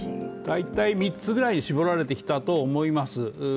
大体３つぐらいに絞られてきたと思います。